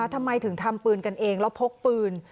ทำไมถึงทำปืนกันเองแล้วพกปืน